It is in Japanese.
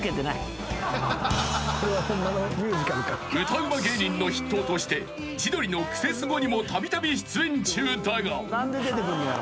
［歌うま芸人の筆頭として千鳥の『クセスゴ』にもたびたび出演中だが］